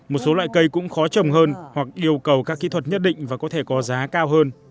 một số loại cây cũng khó trồng hơn hoặc yêu cầu các kỹ thuật nhất định và có thể có giá cao hơn